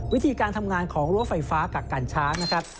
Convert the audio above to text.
วิธีการทำงานของรั้วไฟฟ้ากักกันช้างนะครับ